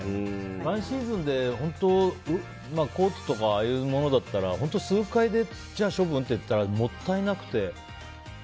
１シーズンでコートとかああいうものだったら数回で処分っていったらもったいなくて。